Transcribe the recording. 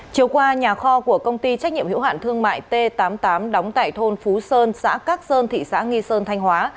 chiều qua nhà kho của công ty trách nhiệm hiệu hạn thương mại t tám mươi tám đóng tại thôn phú sơn xã cát sơn thị xã nghi sơn thanh hóa